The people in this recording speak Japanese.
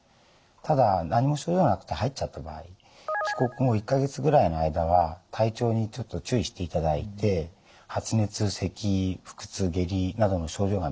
ただ何も症状がなくて入っちゃった場合帰国後１か月ぐらいの間は体調にちょっと注意していただいて発熱せき腹痛下痢などの症状が見られたらですね